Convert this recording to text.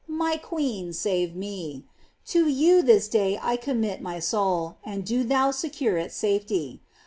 my queen, save me! To you this day I commit my soul; and do thou secure its safety.